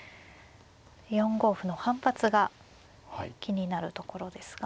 ４五歩の反発が気になるところですが。